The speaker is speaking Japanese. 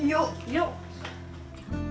よっ。